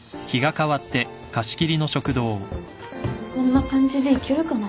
こんな感じでいけるかな？